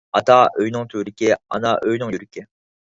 ئاتا ئۆينىڭ تۈۋرۈكى، ئانا ئۆينىڭ يۈرىكى.